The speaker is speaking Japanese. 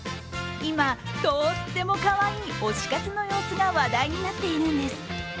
今、とーってもかわいい推し活の様子が話題になっているんです。